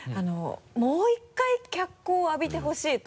もう１回脚光を浴びてほしいと。